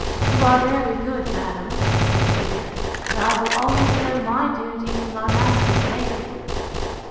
You are very good, madam, said she; but I will always know my duty to my master's lady.